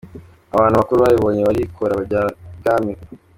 Abantu bakuru babibonye barikora bajya ibwami.